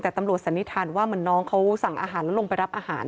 แต่ตำรวจสันนิษฐานว่าเหมือนน้องเขาสั่งอาหารแล้วลงไปรับอาหาร